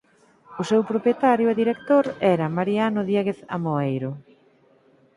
O seu propietario e director era Mariano Diéguez Amoeiro.